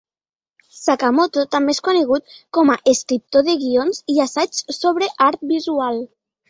Sakamoto també és conegut com a escriptor de guions i assaigs sobre art visual.